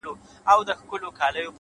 هغه چي ماته يې په سرو وینو غزل ليکله _